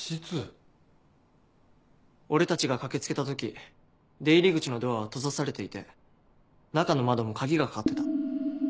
俺たちが駆け付けた時出入り口のドアは閉ざされていて中の窓も鍵が掛かってた。